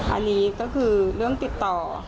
อันนี้ก็คือเรื่องติดต่อ